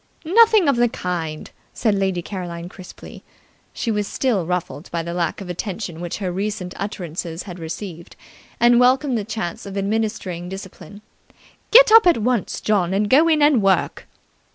"Nothing of the kind!" said Lady Caroline crisply. She was still ruffled by the lack of attention which her recent utterances had received, and welcomed the chance of administering discipline. "Get up at once, John, and go in and work."